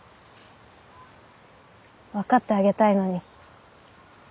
分かってあげたいのに。